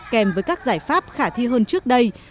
kèm với các giải pháp khả thi hơn trước đây